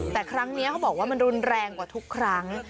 แต่ครั้งนี้เขาบอกว่ามันรุนแรงกว่าทุกครั้ง